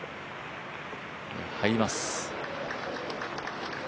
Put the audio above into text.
入ります。